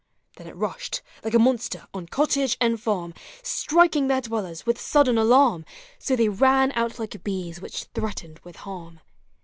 Then it rushed, like a monster, on cottage and farm, Striking their dwellers with sudden alarm, So they ran out like bees when threatened with harm.